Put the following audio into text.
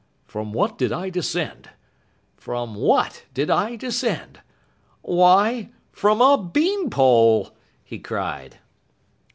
"From what did I descend? From what did I descend? Why, from a bean pole!" he cried.